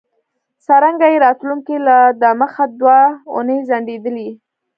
څرنګه چې راتلونکی لا دمخه دوه اونۍ ځنډیدلی دی